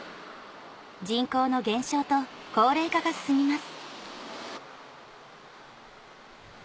人口の減少と高齢化が進みます